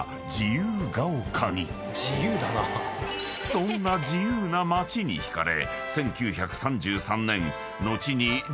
［そんな自由な街に引かれ］